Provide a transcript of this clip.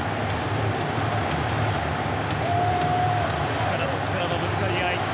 力と力のぶつかり合い。